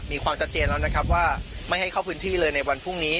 มีความชัดเจนแล้วนะครับว่าไม่ให้เข้าพื้นที่เลยในวันพรุ่งนี้